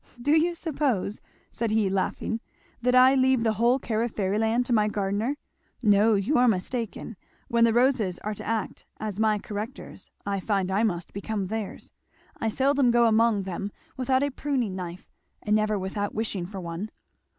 "Do you suppose," said he laughing, "that I leave the whole care of fairyland to my gardener? No, you are mistaken when the roses are to act as my correctors I find I must become theirs. I seldom go among them without a pruning knife and never without wishing for one.